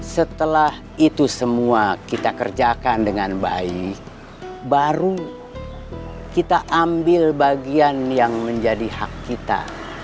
setelah itu semua kita kerjakan dengan baik baru kita ambil bagian yang menjadi hak kita